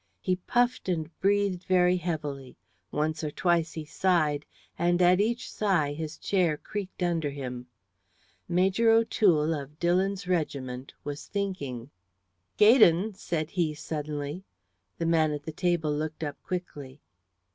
He puffed and breathed very heavily; once or twice he sighed, and at each sigh his chair creaked under him. Major O'Toole of Dillon's regiment was thinking. "Gaydon," said he, suddenly. The man at the table looked up quickly.